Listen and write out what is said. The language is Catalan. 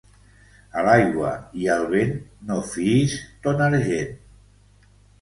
A l'aigua i al vent no fiïs ton argent.